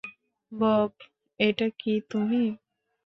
Bob, এটা কি তুমি?